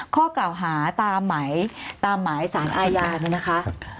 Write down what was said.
ข้อกล่าวหาตามหมายสารอายานนะคะ